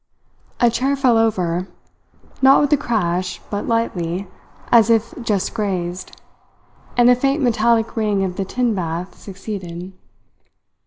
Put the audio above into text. A chair fell over, not with a crash but lightly, as if just grazed, and a faint metallic ring of the tin bath succeeded.